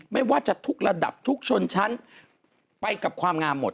ไม่ว่าจะทุกระดับทุกชนชั้นไปกับความงามหมด